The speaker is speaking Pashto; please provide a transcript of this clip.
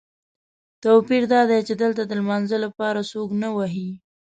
توپیر دادی چې دلته د لمانځه لپاره څوک نه وهي.